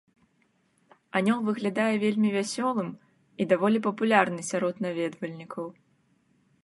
Анёл выглядае вельмі вясёлым і даволі папулярны сярод наведвальнікаў.